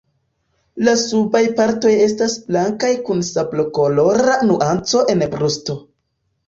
La subaj partoj estas blankaj kun sablokolora nuanco en brusto.